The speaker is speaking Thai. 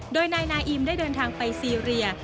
โดยนายนาอิมได้เดินทางไปซีเรีย